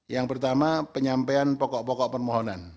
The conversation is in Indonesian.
yang pertama penyampaian pokok pokok permohonan